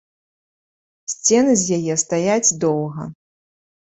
Сцены з яе стаяць доўга.